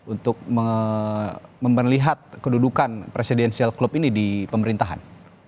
untuk memperlihat kedudukan presidensial klub ini di pemerintahan